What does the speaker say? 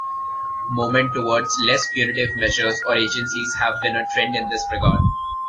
Movements towards less punitive measures or agencies have been a trend in this regard.